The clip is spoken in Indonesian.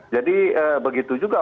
jadi begitu juga